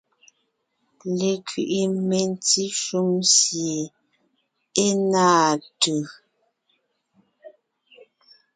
Lekẅiʼi mentí shúm sie é náa tʉ̀.